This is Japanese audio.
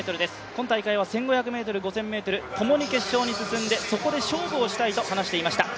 今大会は１５００ｍ、５０００ｍ、共に決勝に進んでそこで勝負をしたいと話していました。